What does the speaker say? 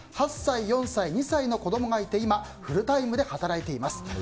８歳、４歳、２歳の子供がいて今フルタイムで働いています。